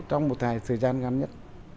trong một thời gian gần nhất